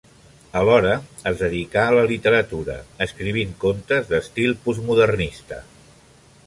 Alhora, es dedicà a la literatura, escrivint contes d'estil postmodernista.